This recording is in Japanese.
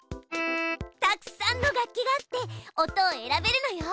たくさんの楽器があって音を選べるのよ。